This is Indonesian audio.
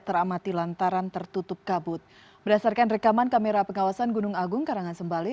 teramati lantaran tertutup kabut berdasarkan rekaman kamera pengawasan gunung agung karangan sembali